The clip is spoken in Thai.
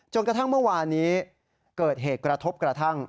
กระทั่งเมื่อวานนี้เกิดเหตุกระทบกระทั่ง